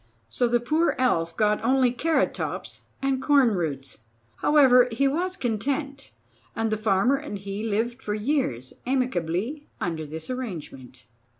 So the poor elf got only carrot tops and corn roots. However, he was content, and the Farmer and he lived for years amicably under this arrangement.